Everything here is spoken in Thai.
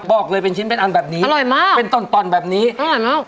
บอกเลยเป็นชิ้นเป็นอันแบบนี้อร่อยมากเป็นต่อนต่อนแบบนี้อร่อยเนอะ